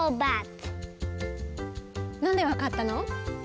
なんでわかったの？